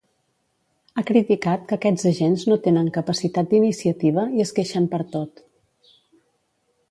Ha criticat que aquests agents no tenen capacitat d'iniciativa i es queixen per tot.